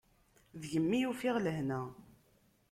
Deg-m i ufiɣ lehna.